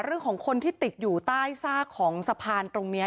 เรื่องของคนที่ติดอยู่ใต้ซากของสะพานตรงนี้